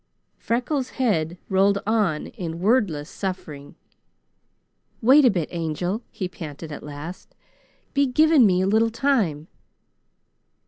Freckles' head rolled on in wordless suffering. "Wait a bit, Angel?" he panted at last. "Be giving me a little time!"